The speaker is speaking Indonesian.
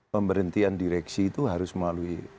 pemberhentian direksi itu harus melalui